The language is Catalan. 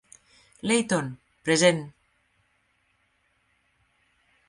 Leighton, present.